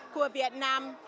của việt nam